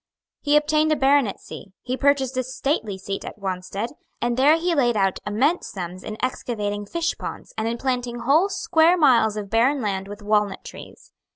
He obtained a baronetcy; he purchased a stately seat at Wanstead; and there he laid out immense sums in excavating fishponds, and in planting whole square miles of barren land with walnut trees.